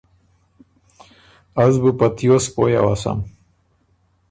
”از بُو په تیوس پویٛ اوسم